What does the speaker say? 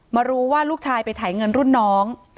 มารู้ว่าลูกชายไปถ่ายเงินรุ่นน้อง